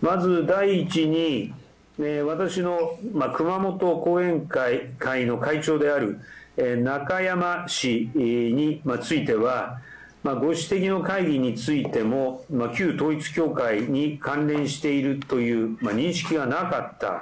まず第一に、私の熊本後援会の会長である中山氏については、ご指摘の会議についても、旧統一教会に関連しているという認識がなかった。